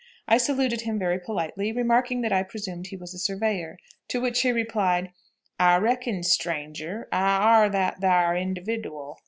I saluted him very politely, remarking that I presumed he was a surveyor, to which he replied, "I reckon, stranger, I ar that thar individoal."